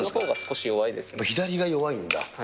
左が弱いんだ。